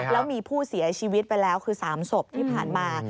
แล้วมีผู้เสียชีวิตไปแล้วคือ๓ศพที่ผ่านมา